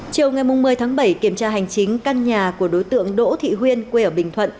chiều ngày một mươi tháng bảy kiểm tra hành chính căn nhà của đối tượng đỗ thị huyên quê ở bình thuận